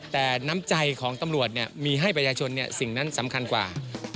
แต่น้ำใจของตำรวจมีให้ประชาชนสิ่งนั้นสำคัญกว่า